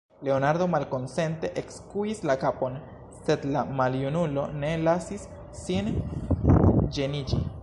Leonardo malkonsente ekskuis la kapon, sed la maljunulo ne lasis sin ĝeniĝi.